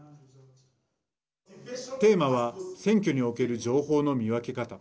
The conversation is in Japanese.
テーマは選挙における情報の見分け方。